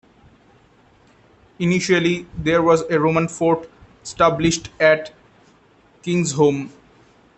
Initially, there was a Roman fort established at Kingsholm.